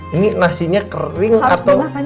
ini nasinya kering atau